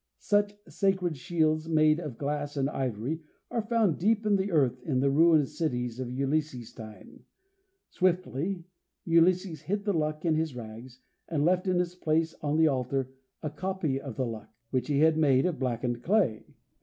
Such sacred shields, made of glass and ivory, are found deep in the earth in the ruined cities of Ulysses' time. Swiftly Ulysses hid the Luck in his rags and left in its place on the altar a copy of the Luck, which he had made of blackened clay.